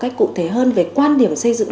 cách cụ thể hơn về quan điểm xây dựng